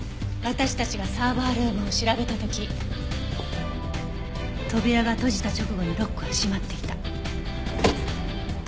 私たちがサーバールームを調べた時扉が閉じた直後にロックは閉まっていた。